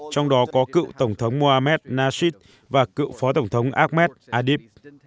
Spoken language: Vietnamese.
trong đó có cựu tổng thống mohammed nasid và cựu phó tổng thống ahmed adib